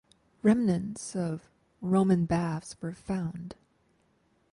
Remnants of Roman baths were found.